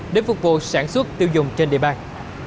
để phục vụ sản xuất tiêu dùng trên địa bàn